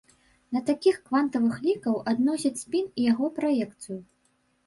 Да такіх квантавых лікаў адносяць спін і яго праекцыю.